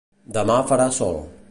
Demà farà sol